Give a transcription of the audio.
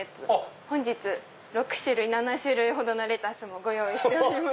本日６種類７種類ほどのレタスご用意しております。